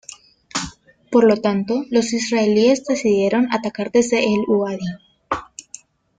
Por lo tanto, los israelíes decidieron atacar desde el uadi.